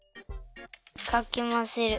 かきまぜる。